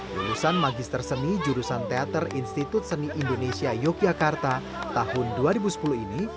lulusan magister seni jurusan teater institut seni indonesia yogyakarta tahun dua ribu sepuluh ini